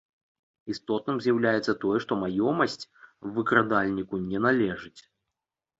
Істотным з'яўляецца тое, што маёмасць выкрадальніку не належыць.